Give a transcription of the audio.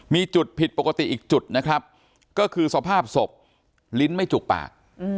มีจุดผิดปกติอีกจุดนะครับก็คือสภาพศพลิ้นไม่จุกปาก